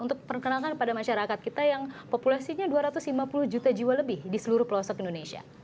untuk perkenalkan kepada masyarakat kita yang populasinya dua ratus lima puluh juta jiwa lebih di seluruh pelosok indonesia